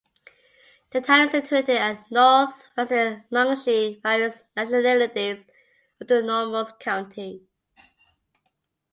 The town is situated at northwestern Longsheng Various Nationalities Autonomous County.